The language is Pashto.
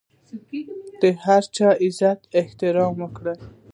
د هر چا د عزت احترام وکړئ.